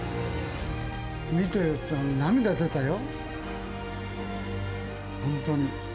見てて涙出たよ、本当に。